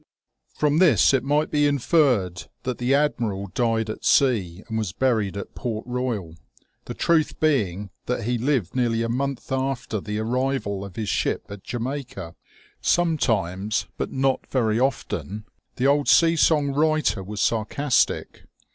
From this it might be inferred that the admiral died at sea and was buried at Port Boyal ; the truth being that he lived nearly a month after the arrival of his ship at Jamaica. Sometimes, but not very often, the old sea song writer was sarcastic.